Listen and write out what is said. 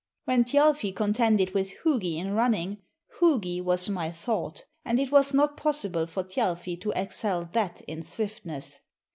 When Thjalfi contended with Hugi in running, Hugi was my thought, and it was not possible for Thjalfi to excel that in swiftness.